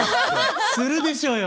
するでしょよ！